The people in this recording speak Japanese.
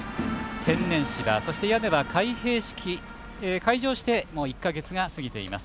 天然芝、そして、屋根は開閉式開場して１か月が過ぎています。